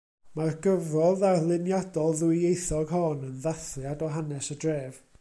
Mae'r gyfrol ddarluniadol ddwyieithog hon yn ddathliad o hanes y dref.